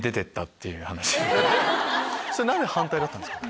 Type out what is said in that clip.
それは何で反対だったんですか？